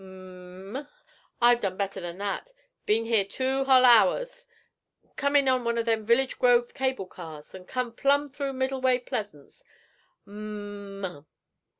'M um! I've done better than that; been here two hull hours. Come in on one of them Village Grove cable cars, and come plum through Middleway Pleasants. M um!